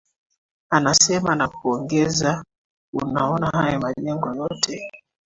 anasema na kuongeza Unaona hayo majengo yote